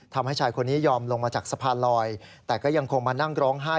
ทำให้ชายคนนี้ยอมลงมาจากสะพานลอยแต่ก็ยังคงมานั่งร้องไห้